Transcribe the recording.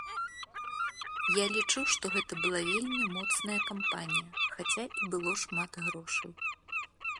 Я лічу, што гэта была вельмі моцная кампанія, хаця і было шмат грошай.